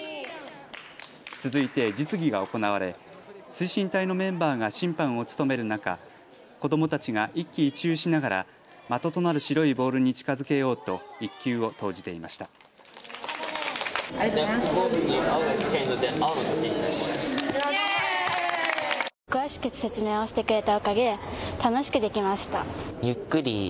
続いて実技が行われ推進隊のメンバーが審判を務める中、子どもたちが一喜一憂しながら的となる白いボールに近づけようと１球を投じていました。